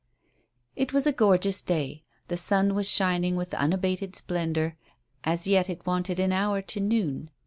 It was a gorgeous day. The sun was shining with unabated splendour; as yet it wanted an hour to noon.